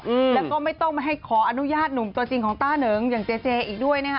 อืมแล้วก็ไม่ต้องให้ขออนุญาตหนุ่มตัวจริงของต้าเหนิงอย่างเจเจอีกด้วยนะคะ